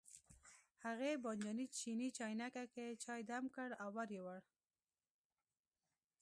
هغې بانجاني چیني چاینکه کې چای دم کړ او ور یې وړ.